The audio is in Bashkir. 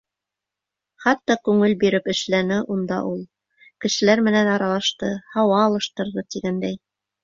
Хатта күңел биреп эшләне унда ла, кешеләр менән аралашты, һауа алыштырҙы, тигәндәй.